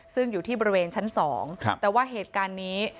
ซึ่งอยู่ที่บริเวณชั้น๒แต่ว่าเหตุการณ์นี้